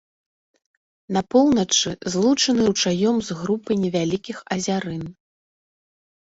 На поўначы злучана ручаём з групай невялікіх азярын.